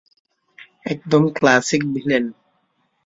একদম classic villain.